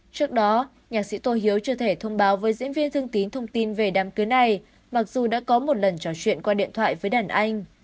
trước đó nhạc sĩ tô hiếu chưa thể thông báo với diễn viên thương tín thông tin về đám cưới này mặc dù đã có một lần trò chuyện qua điện thoại với đàn anh